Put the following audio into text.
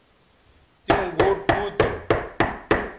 تیوں گوٹ کُو تھو